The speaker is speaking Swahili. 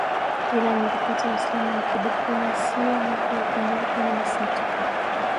Iran ilikata uhusiano wa kidiplomasia mwaka elfu mbili kumi na sita